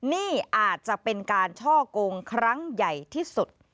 นี่อาจจะเป็นการช่อกงครั้งใหญ่ที่สุด